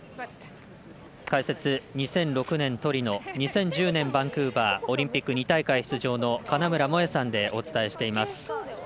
解説、２００６年トリノ２０１０年、バンクーバーオリンピック２大会出場の金村萌絵さんでお伝えしています。